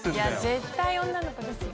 絶対女の子ですよ。